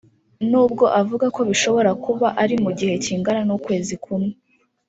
n’ubwo avuga ko bishobora kuba ari mu gihe kingana n’ukwezi kumwe